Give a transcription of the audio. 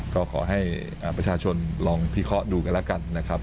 ก็ขอให้ประชาชนลองพิเคราะห์ดูกันแล้วกันนะครับ